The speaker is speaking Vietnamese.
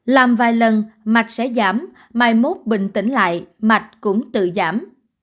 làm vài lần mạch sẽ giảm mai mốt bình tĩnh lại mạch cũng tự giảm